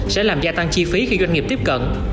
sẽ làm gia tăng chi phí khi doanh nghiệp tiếp cận